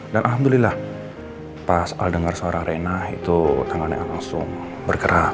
dan alhamdulillah pas al denger suara rena itu tangannya langsung bergerak